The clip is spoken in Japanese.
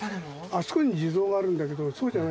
あそこに地蔵があるんだけどそうじゃないよね？